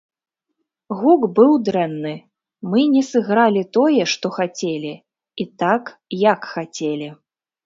Гук быў дрэнны, мы не сыгралі тое, што хацелі, і так, як хацелі.